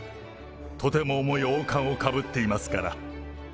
とても重い王冠をかぶっていますから。